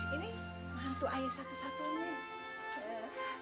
ini mantu ayah satu satu nih